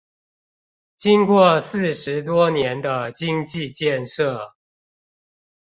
經過四十多年的經濟建設